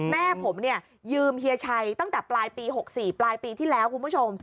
แม่ผมเนี่ยยืมเฮียชัยตั้งแต่ปลายปี๖๔ปลายปีที่แล้วคุณผู้ชม